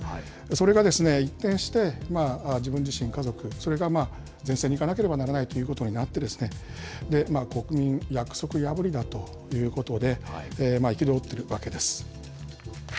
それが一転して、自分自身、家族、それが前線に行かなければならないということになって、国民、約束破るなということで、憤ってるわけです。